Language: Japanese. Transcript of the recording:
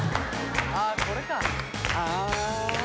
ああこれかああ